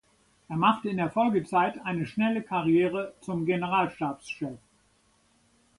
Er machte in der Folgezeit eine schnelle Karriere zum Generalstabschef.